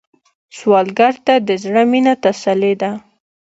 سوالګر ته د زړه مينه تسلي ده